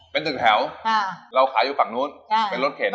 เป็นหนึ่งแถวเราขายอยู่ฝั่งนู้นเป็นรถเข็น